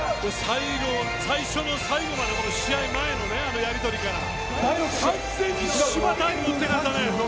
最初から最後まで試合前のやり取りから完全にシバターに持っていかれたね。